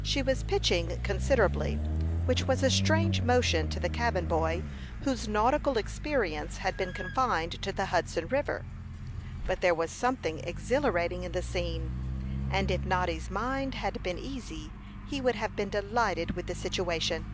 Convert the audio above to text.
She was pitching considerably, which was a strange motion to the cabin boy, whose nautical experience had been confined to the Hudson River. But there was something exhilarating in the scene, and if Noddy's mind had been easy, he would have been delighted with the situation.